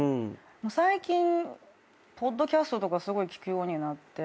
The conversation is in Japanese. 最近ポッドキャストとかすごい聞くようになって。